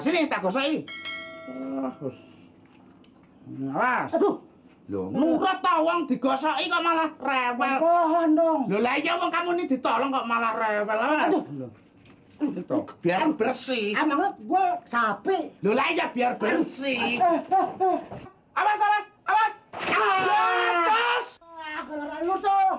ngomong ngomong kamu ditolong malah level biar bersih bersih